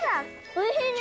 おいしいね。